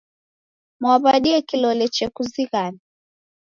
Mwaw'adie kilole chekuzighana?